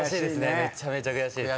めちゃめちゃ悔しいです。